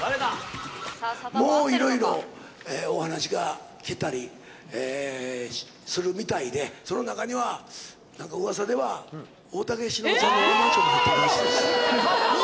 もういろいろ、お話が来たりするみたいで、その中には、なんかうわさでは、大竹しのぶさんのワンマンショーも入ってるらしいです。